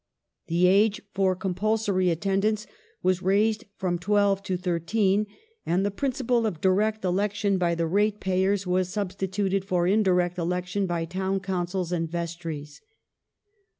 The age for compulsory attendance was raised from twelve to thirteen, and the principle of direct election by the ratepayers was substituted for indirect election by Town Councils and Vestries.